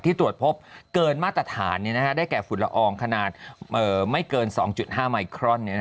ตรวจพบเกินมาตรฐานได้แก่ฝุ่นละอองขนาดไม่เกิน๒๕ไมครอน